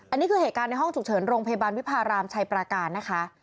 อันนี้คือเหตุการณ์ในห้องฉุกเฉินโรงพยาบาลวิพารามชัยปราการนะคะ